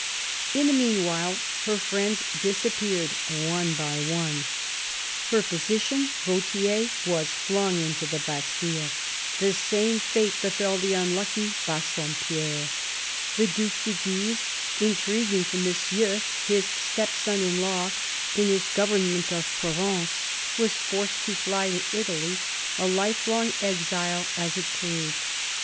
In the meanwhile her friends disappeared one by one. Her physician, Vautier, was flung into the Bastille; the same fate befell the unlucky Bassompierre. The Due de Guise, intriguing for Monsieur, his stepson in law, in his government of Provence, was forced to fly to Italy, a lifelong exile as it proved.